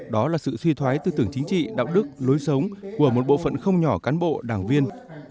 đó là sự suy thoái tư tưởng chính trị đạo đức lối sống của một bộ phận không nhỏ cán bộ đảng viên